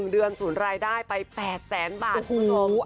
๑เดือนศูนย์รายได้ไป๘แสนบาทคุณผู้ชม